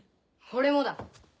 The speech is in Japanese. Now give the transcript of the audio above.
俺もだ